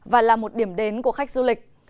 và là một điểm đến của khách du lịch